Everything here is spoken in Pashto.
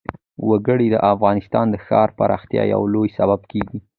وګړي د افغانستان د ښاري پراختیا یو لوی سبب کېږي.